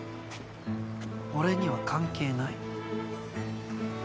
俺には関係ない。